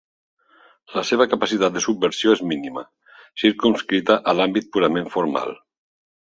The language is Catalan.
La seva capacitat de subversió és mínima, circumscrita a l'àmbit purament formal.